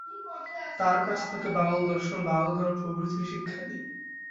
তার কাছ থেকে বাউল দর্শন, বাউল গান প্রভৃতির শিক্ষা নেন।